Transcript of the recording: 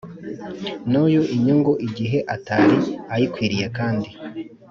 n uyu inyungu igihe atari ayikwiriye kandi